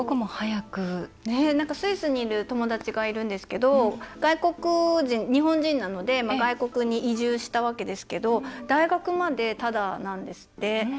スイスにいる友達がいるんですけど外国人、日本人なので外国に移住したわけですけど、大学までタダなんですって。